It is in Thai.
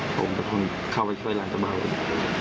ผมก็ทนเค้าไปช่วยหลานเจ้าบ่าวอยู่